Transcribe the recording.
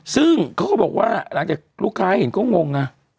ซึ่งเขาก็บอกว่าหลังจากลูกค้าเห็นก็งงนะ